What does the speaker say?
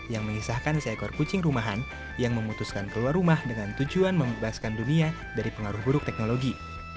yang mengisahkan seekor kucing rumahan yang memutuskan keluar rumah dengan tujuan membebaskan dunia dari pengaruh buruk teknologi